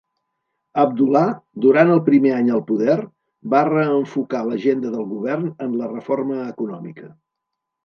Abdullah, durant el primer any al poder, va reenfocar l'agenda del govern en la reforma econòmica.